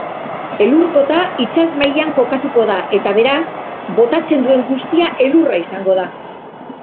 Elur-kota itsasmailan kokatuko da eta beraz, botatzen duen guztia elurra izango da.